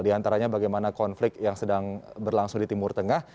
di antaranya bagaimana konflik yang sedang berlangsung di timur tengah